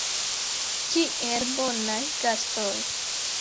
Kiel bonaj gastoj.